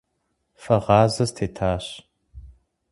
Фэгъазэ стетащ.